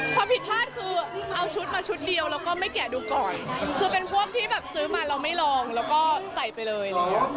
ความผิดพลาดคือเอาชุดมาชุดเดียวแล้วก็ไม่แกะดูก่อนคือเป็นพวกที่แบบซื้อมาเราไม่ลองแล้วก็ใส่ไปเลย